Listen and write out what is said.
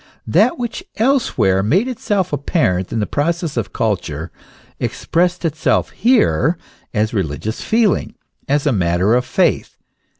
That which elsewhere made itself apparent in the process of culture, expressed itself here as religious feeling, as a matter of faith.